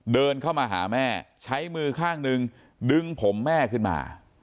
เดินเข้ามาหาแม่ใช้มือข้างหนึ่งดึงผมแม่ขึ้นมา